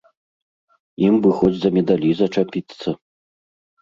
Ім бы хоць за медалі зачапіцца.